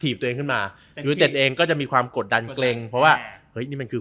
ทีปตัวเองขึ้นมาอยู่ตั้งแต่งก็จะมีความกดดันเกรงเพราะว่าเอยนี่มันคือ